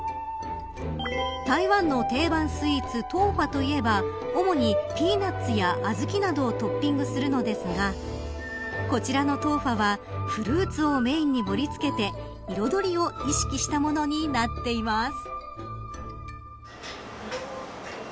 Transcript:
台湾の定番スイーツ豆花といえば主にピーナッツや小豆などトッピングするのですがこちらの豆花はフルーツをメーンに盛りつけて彩りを意識したものになっています。